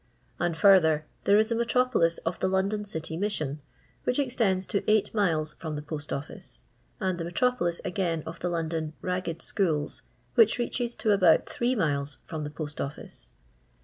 . And further, there is the Metropolis of the London City Mission, which extends to eiffht mtUi from the Post Office, and the Metropolis, again, of the London Bagged Schools, which reaches to about three miles from the Post Office.